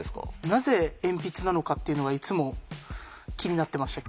なぜ鉛筆なのかっていうのがいつも気になってました。